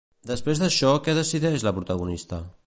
Després d'això què decideix la protagonista?